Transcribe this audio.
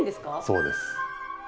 そうです。